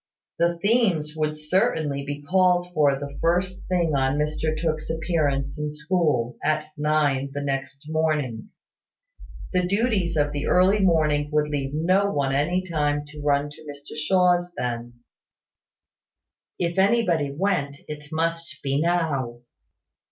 The themes would certainly be called for the first thing on Mr Tooke's appearance in school, at nine the next morning. The duties of the early morning would leave no one any time to run to Mr Shaw's then. If anybody went, it must be now.